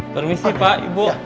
permisi pak ibu